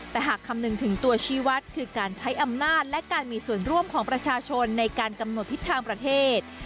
แต่หากคำนึงถึงตัวชีวัตรคือการใช้อำนาจและการมีส่วนร่วมของประชาชนในการกำหนดทิศทางประเทศ